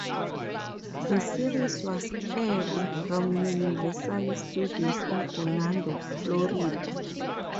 The series was aired from Universal Studios in Orlando, Florida.